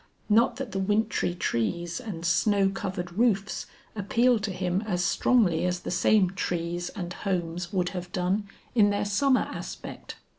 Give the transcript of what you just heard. Not that the wintry trees and snow covered roofs appealed to him as strongly as the same trees and homes would have done in their summer aspect.